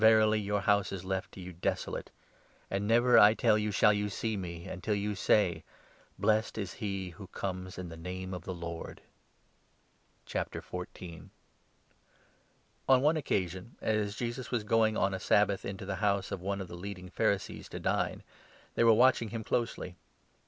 Verily your House is left to you desolate ! and never, I tell you, shall you see me, until you say —' Blessed is He who comes in the name of the Lord.' "». ^n one occasion, as Jesus was going, on a ai Sabbath, into the house of one of the leading Man. Pharisees to dine, they were watching him closely.